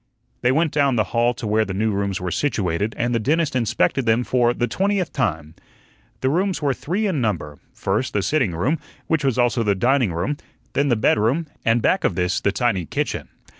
They went down the hall to where the new rooms were situated, and the dentist inspected them for the twentieth time. The rooms were three in number first, the sitting room, which was also the dining room; then the bedroom, and back of this the tiny kitchen.